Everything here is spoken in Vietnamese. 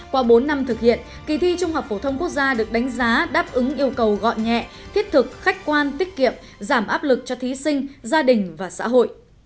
qua bốn năm thực hiện kỳ thi trung học phổ thông quốc gia được đánh giá đáp ứng yêu cầu gọn nhẹ thiết thực khách quan tiết kiệm giảm áp lực cho thí sinh gia đình và xã hội